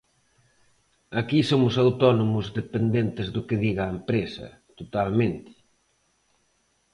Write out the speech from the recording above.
Aquí somos autónomos dependentes do que diga a empresa, totalmente.